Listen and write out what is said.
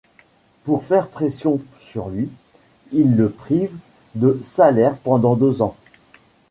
Pour faire pression sur lui, ils le privent de salaire pendant deux ans.